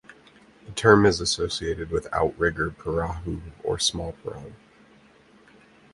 The term is associated with outrigger perahu or small perahu.